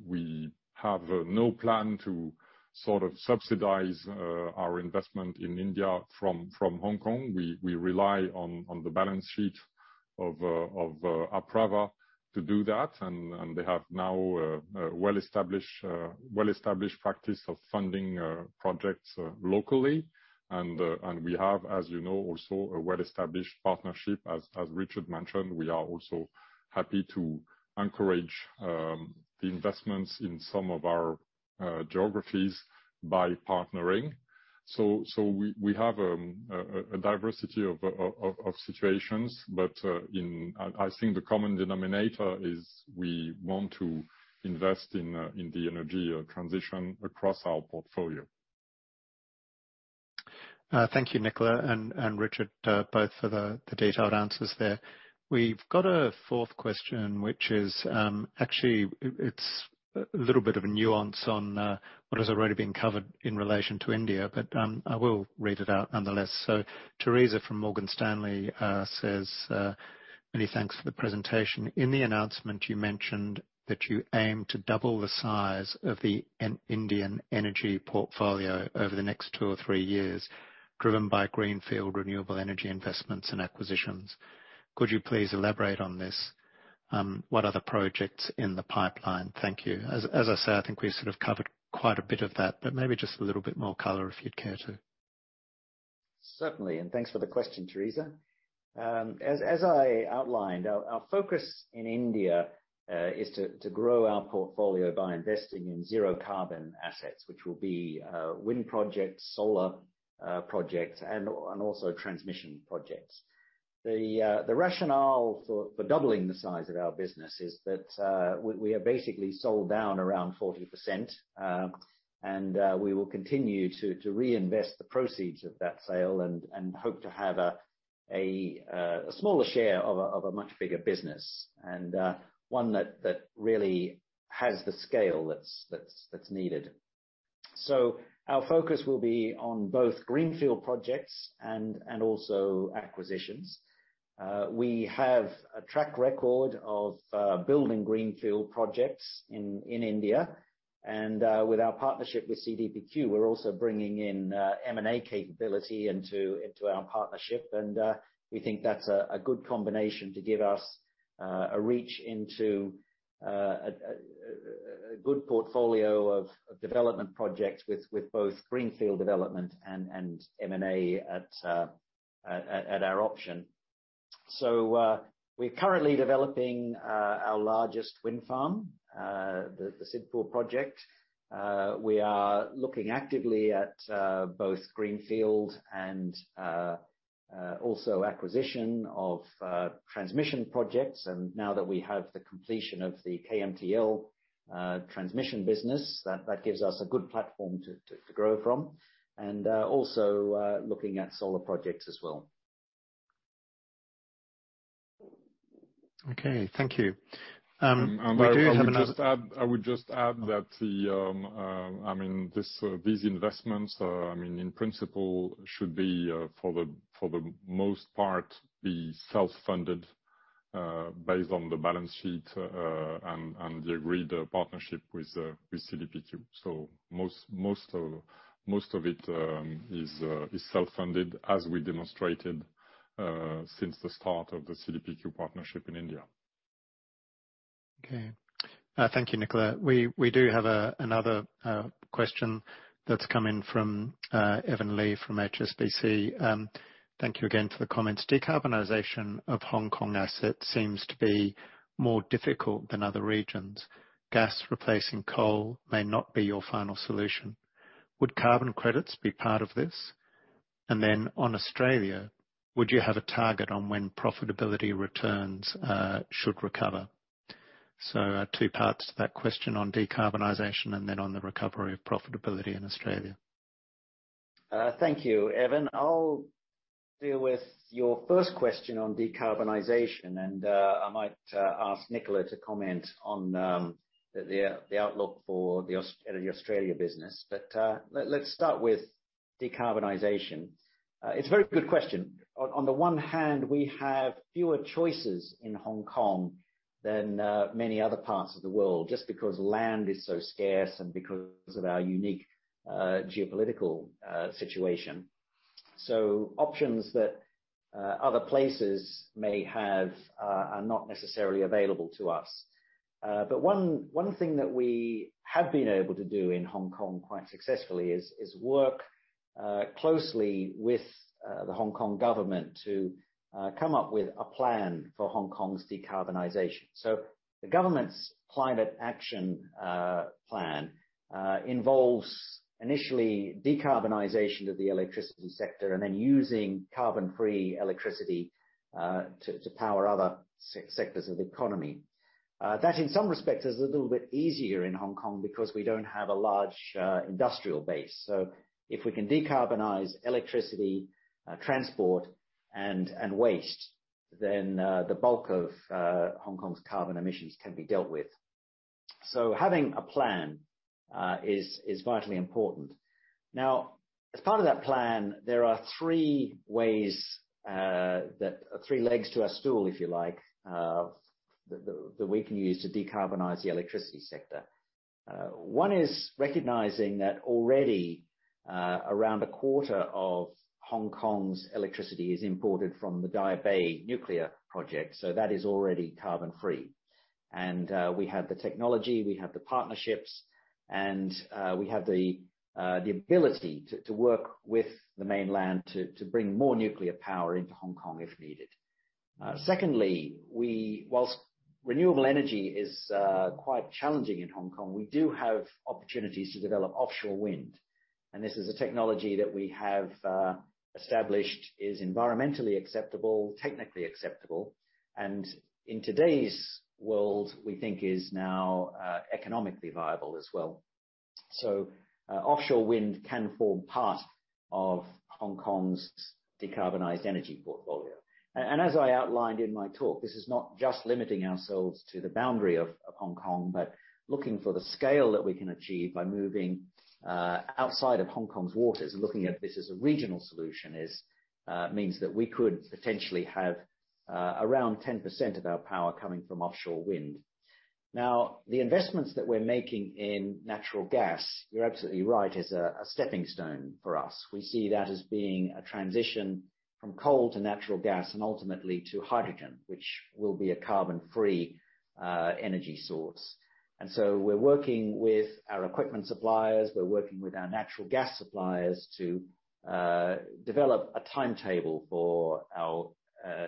we have no plan to sort of subsidize our investment in India from Hong Kong. We rely on the balance sheet of Apraava to do that, and they have now a well-established practice of funding projects locally. And we have, as you know, also a well-established partnership. As Richard mentioned, we are also happy to encourage the investments in some of our geographies by partnering. We have a diversity of situations, but I think the common denominator is we want to invest in the energy transition across our portfolio. Thank you, Nicolas and Richard, both for the detailed answers there. We've got a fourth question, which is actually a little bit of a nuance on what has already been covered in relation to India, but I will read it out nonetheless. Theresa from Morgan Stanley says, "Many thanks for the presentation. In the announcement, you mentioned that you aim to double the size of the Indian energy portfolio over the next two or three years driven by greenfield renewable energy investments and acquisitions. Could you please elaborate on this? What other projects in the pipeline? Thank you." As I say, I think we sort of covered quite a bit of that, but maybe just a little bit more color if you'd care to. Certainly. Thanks for the question, Theresa. As I outlined, our focus in India is to grow our portfolio by investing in zero carbon assets, which will be wind projects, solar projects and also transmission projects. The rationale for doubling the size of our business is that we have basically sold down around 40%. We will continue to reinvest the proceeds of that sale and hope to have a smaller share of a much bigger business and one that really has the scale that's needed. Our focus will be on both greenfield projects and also acquisitions. We have a track record of building greenfield projects in India. With our partnership with CDPQ, we're also bringing in M&A capability into our partnership. We think that's a good combination to give us a reach into a good portfolio of development projects with both greenfield development and M&A at our option. We're currently developing our largest wind farm, the Sidhpur Project. We are looking actively at both greenfield and also acquisition of transmission projects. Now that we have the completion of the KMTL transmission business, that gives us a good platform to grow from. Also looking at solar projects as well. Okay, thank you. We do have another I would just add that the, I mean, these investments, I mean, in principle should be, for the most part, self-funded, based on the balance sheet, and the agreed partnership with CDPQ. So most of it is self-funded, as we demonstrated, since the start of the CDPQ partnership in India. Okay. Thank you, Nicolas. We do have another question that's come in from Evan Li from HSBC. Thank you again for the comments. Decarbonization of Hong Kong assets seems to be more difficult than other regions. Gas replacing coal may not be your final solution. Would carbon credits be part of this? And then on Australia, would you have a target on when profitability returns, should recover? Two parts to that question on decarbonization and then on the recovery of profitability in Australia. Thank you, Evan. I'll deal with your first question on decarbonization, and I might ask Nicolas to comment on the outlook for the EnergyAustralia business. Let's start with decarbonization. It's a very good question. On the one hand, we have fewer choices in Hong Kong than many other parts of the world, just because land is so scarce and because of our unique geopolitical situation. So options that other places may have are not necessarily available to us. One thing that we have been able to do in Hong Kong quite successfully is work closely with the Hong Kong government to come up with a plan for Hong Kong's decarbonization. The government's climate action plan involves initially decarbonization of the electricity sector and then using carbon-free electricity to power other sectors of the economy. That in some respects is a little bit easier in Hong Kong because we don't have a large industrial base. If we can decarbonize electricity, transport and waste, then the bulk of Hong Kong's carbon emissions can be dealt with. Having a plan is vitally important. Now, as part of that plan, three legs to a stool, if you like, that we can use to decarbonize the electricity sector. One is recognizing that already around a quarter of Hong Kong's electricity is imported from the Daya Bay nuclear project, so that is already carbon-free. We have the technology, we have the partnerships, and we have the ability to work with the mainland to bring more nuclear power into Hong Kong if needed. Secondly, while renewable energy is quite challenging in Hong Kong, we do have opportunities to develop offshore wind, and this is a technology that we have established is environmentally acceptable, technically acceptable, and in today's world, we think is now economically viable as well. Offshore wind can form part of Hong Kong's decarbonized energy portfolio. As I outlined in my talk, this is not just limiting ourselves to the boundary of Hong Kong, but looking for the scale that we can achieve by moving outside of Hong Kong's waters. Looking at this as a regional solution means that we could potentially have around 10% of our power coming from offshore wind. Now, the investments that we're making in natural gas, you're absolutely right, is a stepping stone for us. We see that as being a transition from coal to natural gas and ultimately to hydrogen, which will be a carbon-free energy source. We're working with our equipment suppliers, we're working with our natural gas suppliers to develop a timetable for our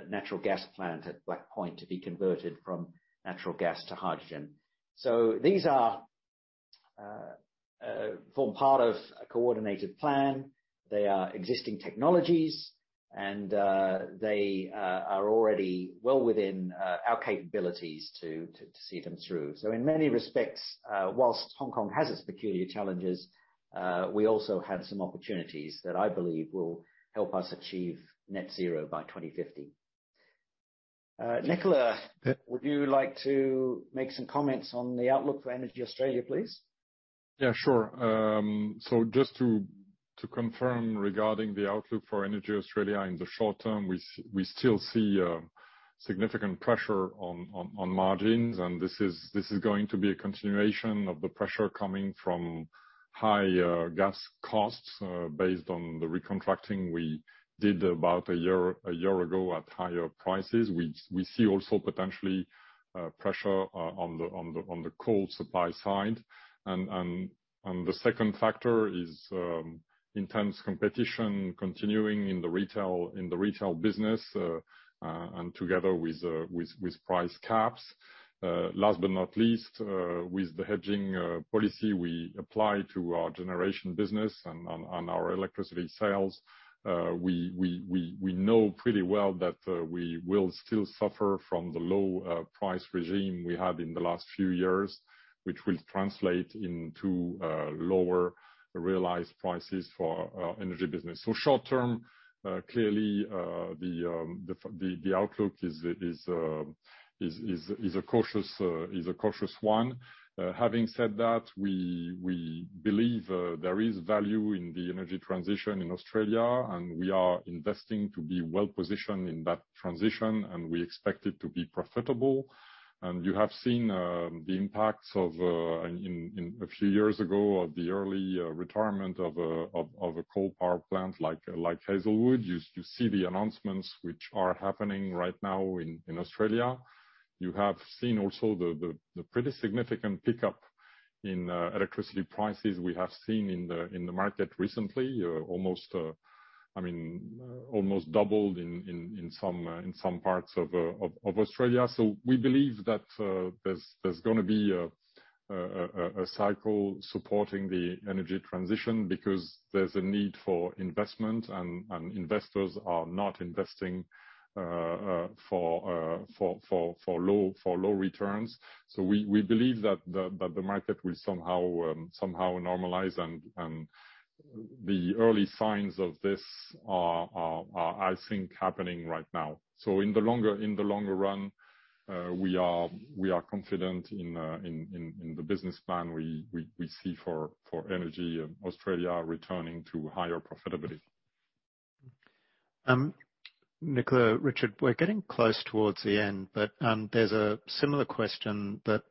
natural gas plant at Black Point to be converted from natural gas to hydrogen. These form part of a coordinated plan. They are existing technologies and they are already well within our capabilities to see them through. In many respects, while Hong Kong has its peculiar challenges, we also have some opportunities that I believe will help us achieve net zero by 2050. Nicolas, would you like to make some comments on the outlook for EnergyAustralia, please? Yeah, sure. So just to confirm regarding the outlook for EnergyAustralia, in the short term we still see significant pressure on margins, and this is going to be a continuation of the pressure coming from high gas costs based on the recontracting we did about a year ago at higher prices. We see also potentially pressure on the coal supply side. The second factor is intense competition continuing in the retail business and together with price caps. Last but not least, with the hedging policy we apply to our generation business and our electricity sales, we know pretty well that we will still suffer from the low price regime we had in the last few years, which will translate into lower realized prices for our energy business. Short term, clearly, the outlook is a cautious one. Having said that, we believe there is value in the energy transition in Australia, and we are investing to be well positioned in that transition, and we expect it to be profitable. You have seen the impacts, a few years ago, of the early retirement of a coal power plant like Hazelwood. You see the announcements which are happening right now in Australia. You have seen also the pretty significant pickup in electricity prices we have seen in the market recently. Almost, I mean, almost doubled in some parts of Australia. We believe that there's gonna be a cycle supporting the energy transition because there's a need for investment and investors are not investing for low returns. We believe that the market will somehow normalize and the early signs of this are, I think, happening right now. In the longer run, we are confident in the business plan we see for EnergyAustralia returning to higher profitability. Nicolas, Richard, we're getting close towards the end, but there's a similar question that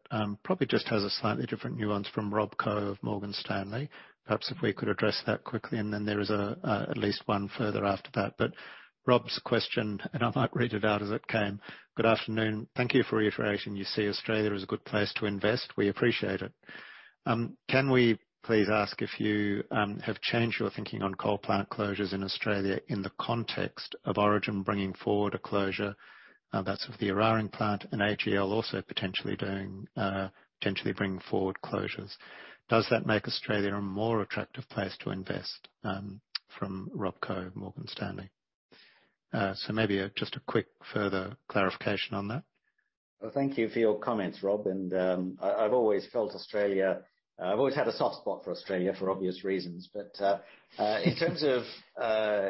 probably just has a slightly different nuance from Rob Koh of Morgan Stanley. Perhaps if we could address that quickly, and then there is at least one further after that. Rob's question, and I might read it out as it came. Good afternoon. Thank you for reiterating you see Australia as a good place to invest. We appreciate it. Can we please ask if you have changed your thinking on coal plant closures in Australia in the context of Origin bringing forward a closure that's of the Eraring plant and AGL also potentially bringing forward closures? Does that make Australia a more attractive place to invest? From Rob Koh, Morgan Stanley. So maybe just a quick further clarification on that. Well, thank you for your comments, Rob, and I've always had a soft spot for Australia for obvious reasons. In terms of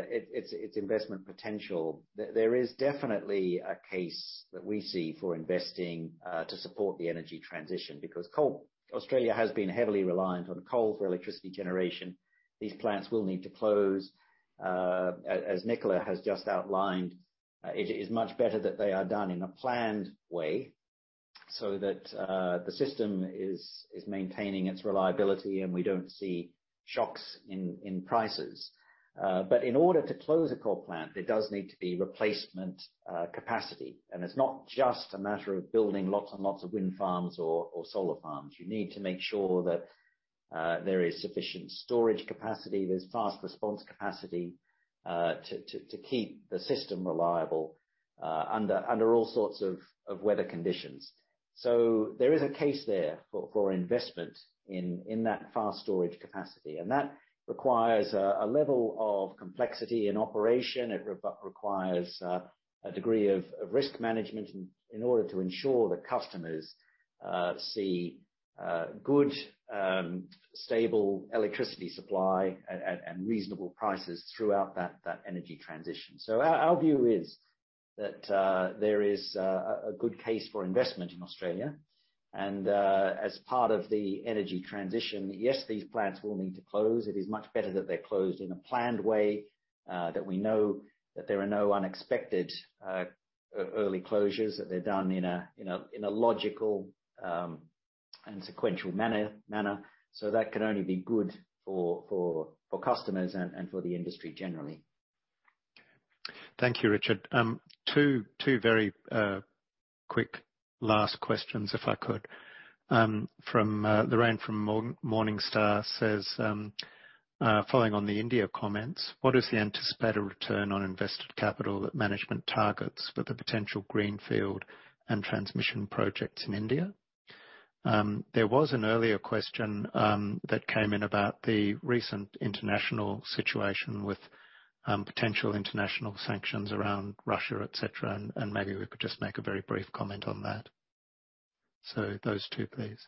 its investment potential, there is definitely a case that we see for investing to support the energy transition because Australia has been heavily reliant on coal for electricity generation. These plants will need to close. As Nicolas has just outlined, it is much better that they are done in a planned way so that the system is maintaining its reliability and we don't see shocks in prices. In order to close a coal plant, there does need to be replacement capacity. It's not just a matter of building lots and lots of wind farms or solar farms. You need to make sure that there is sufficient storage capacity. There's fast response capacity to keep the system reliable under all sorts of weather conditions. There is a case there for investment in that fast storage capacity. That requires a level of complexity in operation. It requires a degree of risk management in order to ensure that customers see good stable electricity supply at reasonable prices throughout that energy transition. Our view is that there is a good case for investment in Australia. As part of the energy transition, yes, these plants will need to close. It is much better that they're closed in a planned way, that we know that there are no unexpected early closures, that they're done in a logical and sequential manner. That can only be good for customers and for the industry generally. Thank you, Richard. Two very quick last questions, if I could. From Lorraine from Morningstar says, following on the India comments, "What is the anticipated return on invested capital that management targets for the potential greenfield and transmission projects in India?" There was an earlier question that came in about the recent international situation with potential international sanctions around Russia, et cetera, and maybe we could just make a very brief comment on that. Those two, please.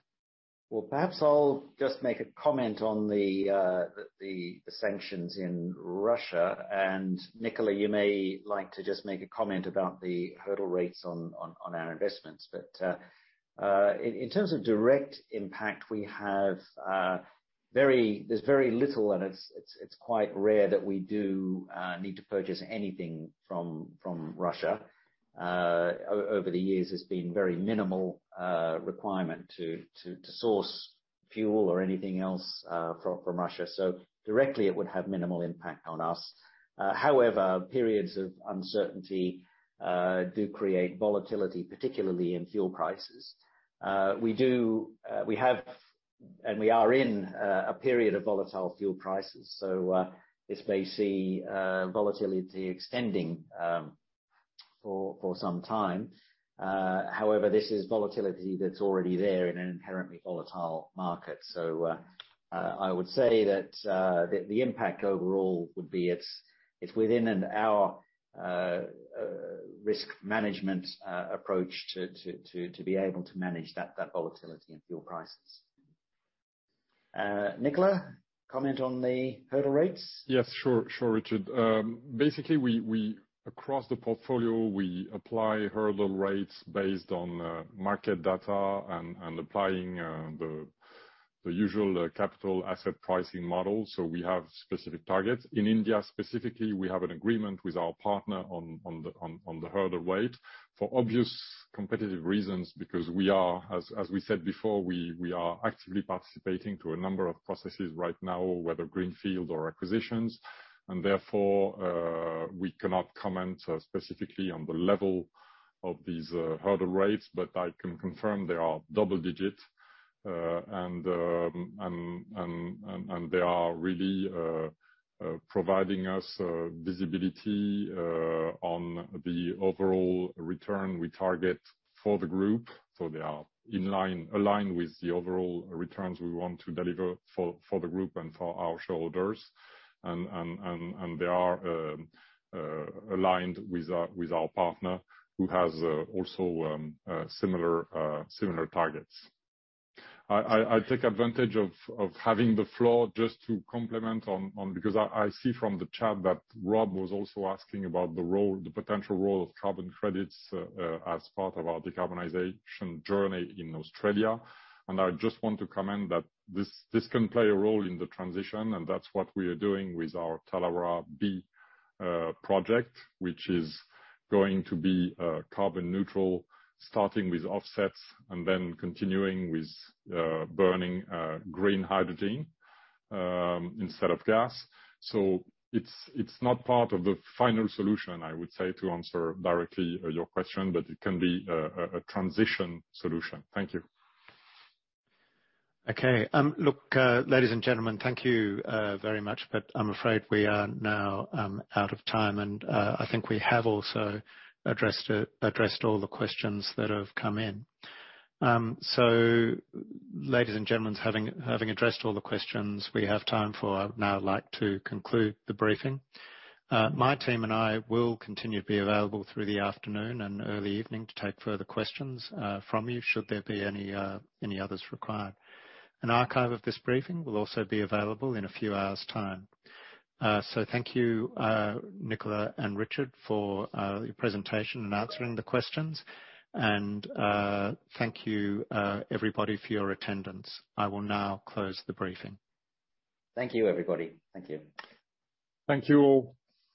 Well, perhaps I'll just make a comment on the sanctions in Russia. Nicolas, you may like to just make a comment about the hurdle rates on our investments. In terms of direct impact, there's very little, and it's quite rare that we do need to purchase anything from Russia. Over the years, it's been very minimal requirement to source fuel or anything else from Russia. Directly it would have minimal impact on us. However, periods of uncertainty do create volatility, particularly in fuel prices. We do have and we are in a period of volatile fuel prices. This may see volatility extending for some time. However, this is volatility that's already there in an inherently volatile market. I would say that the impact overall would be it's within our risk management approach to be able to manage that volatility in fuel prices. Nicolas, comment on the hurdle rates. Yes, sure. Sure, Richard. Basically, across the portfolio, we apply hurdle rates based on market data and applying the usual capital asset pricing model. We have specific targets. In India, specifically, we have an agreement with our partner on the hurdle rate for obvious competitive reasons, because we are, as we said before, we are actively participating to a number of processes right now, whether greenfield or acquisitions. Therefore, we cannot comment specifically on the level of these hurdle rates, but I can confirm they are double-digit and they are really providing us visibility on the overall return we target for the group. They are aligned with the overall returns we want to deliver for the group and for our shareholders. They are aligned with our partner who has also similar targets. I take advantage of having the floor just to comment on because I see from the chat that Rob was also asking about the potential role of carbon credits as part of our decarbonization journey in Australia. I just want to comment that this can play a role in the transition, and that's what we are doing with our Tallawarra B project, which is going to be carbon neutral, starting with offsets and then continuing with burning green hydrogen instead of gas. It's not part of the final solution, I would say, to answer directly, your question, but it can be a transition solution. Thank you. Look, ladies and gentlemen, thank you very much, but I'm afraid we are now out of time, and I think we have also addressed all the questions that have come in. Ladies and gentlemen, having addressed all the questions, I would now like to conclude the briefing. My team and I will continue to be available through the afternoon and early evening to take further questions from you should there be any others required. An archive of this briefing will also be available in a few hours' time. Thank you, Nicolas and Richard for your presentation and answering the questions. Thank you, everybody for your attendance. I will now close the briefing. Thank you, everybody. Thank you. Thank you all.